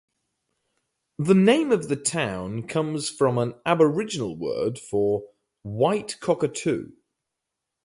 The name of the town comes from an Aboriginal word for 'white cockatoo'.